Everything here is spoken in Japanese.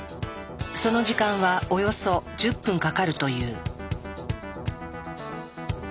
その時間はおよそ１０分かかるという。